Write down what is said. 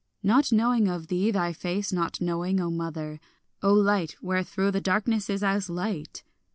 Not knowing of thee, thy face not knowing, O mother, O light wherethrough the darkness is as light.